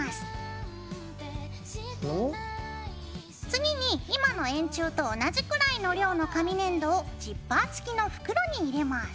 次に今の円柱と同じくらいの量の紙粘土をジッパー付きの袋に入れます。